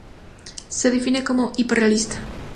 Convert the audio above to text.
Se define como hiperrealista.